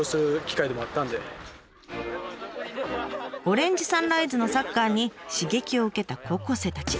オレンジサンライズのサッカーに刺激を受けた高校生たち。